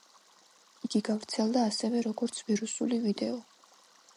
იგი გავრცელდა ასევე როგორც ვირუსული ვიდეო.